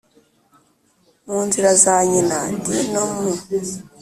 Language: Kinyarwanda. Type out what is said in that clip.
mu nzira za nyina d no mu